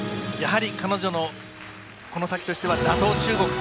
やはり、彼女のこの先としては打倒中国。